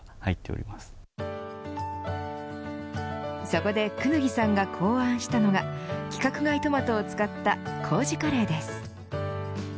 そこで功刀さんが考案したのが規格外トマトを使った糀カレーです。